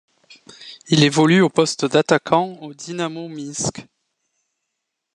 Il évolue au poste d'attaquant au Dinamo Minsk.